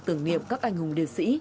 tưởng nghiệm các anh hùng liệt sĩ